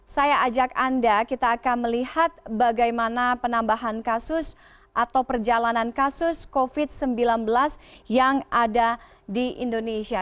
saya ajak anda kita akan melihat bagaimana penambahan kasus atau perjalanan kasus covid sembilan belas yang ada di indonesia